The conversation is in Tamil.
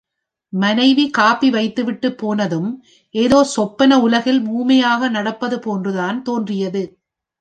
மனைவி காப்பி வைத்துவிட்டுப் போனதும், ஏதோ சொப்பன உலகில் ஊமையாக நடப்பதுபோன்று தான் தோன்றியது.